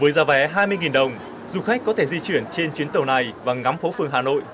với giá vé hai mươi đồng du khách có thể di chuyển trên chuyến tàu này và ngắm phố phường hà nội